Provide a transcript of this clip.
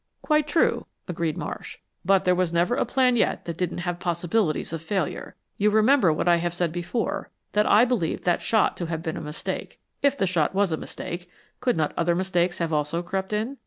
"Quite true," agreed Marsh, "but there was never a plan yet that didn't have possibilities of failure. You remember what I have said before; that I believed that shot to have been a mistake. If the shot was a mistake, could not other mistakes have also crept in?